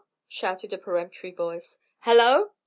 shouted a peremptory voice. "Hallo!